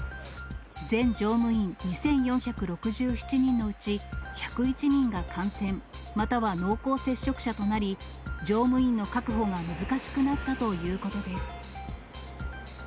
全乗務員２４６７人のうち、１０１人が感染、または濃厚接触者となり、乗務員の確保が難しくなったということです。